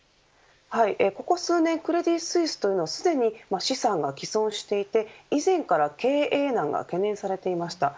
ここ数年クレディ・スイスはすでに資産が棄損していて以前から経営難が懸念されていました。